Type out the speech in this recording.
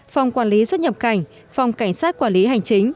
phòng quản lý xuất nhập cảnh phòng cảnh sát quản lý hành chính